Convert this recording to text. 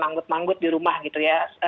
manggut manggut di rumah gitu ya